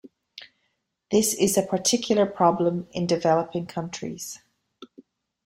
This is a particular problem in developing countries.